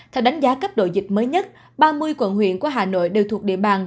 theo đánh giá cấp độ dịch mới nhất ba mươi quận huyện của hà nội đều thuộc địa bàn